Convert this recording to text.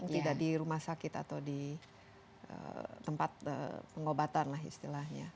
tidak di rumah sakit atau di tempat pengobatan lah istilahnya